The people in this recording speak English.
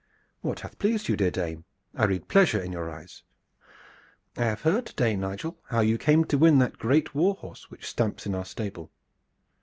"What hath pleased you, dear dame? I read pleasure in your eyes." "I have heard to day, Nigel, how you came to win that great war horse which stamps in our stable."